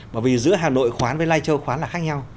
bởi vì giữa hà nội khoán với lai châu khoán là khác nhau